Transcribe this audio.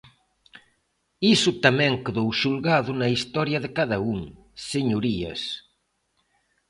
Iso tamén quedou xulgado na historia de cada un, señorías.